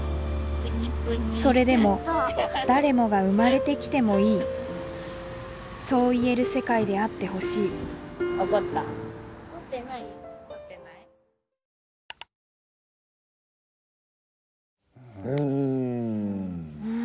それでも誰もが生まれてきてもいいそう言える世界であってほしいうん。